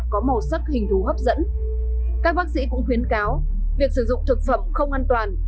có màu sắc hình thú hấp dẫn các bác sĩ cũng khuyến cáo việc sử dụng thực phẩm không an toàn